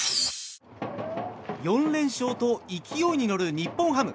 ４連勝と勢いに乗る日本ハム。